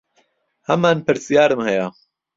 هەمان پرسیارم هەیە.